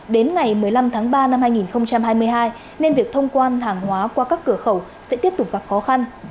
đến ngày một mươi năm tháng ba năm hai nghìn hai mươi hai nên việc thông quan hàng hóa qua các cửa khẩu sẽ tiếp tục gặp khó khăn